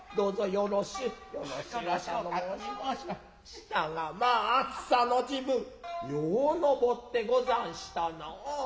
したがまあ暑さの時分よう上ってござんしたなァ。